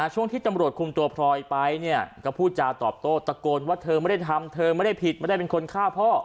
ช่วงที่ตำรวจคุมตัวพลอยไปเนี่ยก็พูดจาตอบโต้ตะโกนว่าเธอไม่ได้ทำเธอไม่ได้ผิดไม่ได้เป็นคนฆ่าพ่อ